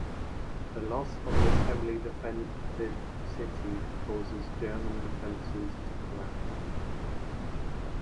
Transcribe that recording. The loss of this heavily defended city caused German defenses to collapse.